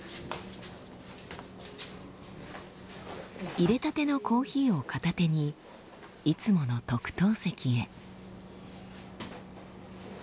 いれたてのコーヒーを片手にいつもの特等席へ。